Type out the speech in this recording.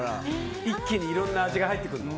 一気にいろんな味が入ってくるの？